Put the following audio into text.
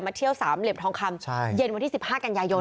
เที่ยวสามเหลี่ยมทองคำเย็นวันที่๑๕กันยายน